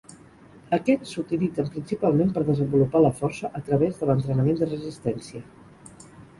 Aquests s'utilitzen principalment per desenvolupar la força a través de l'entrenament de resistència.